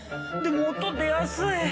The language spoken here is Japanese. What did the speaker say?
でも音出やすい！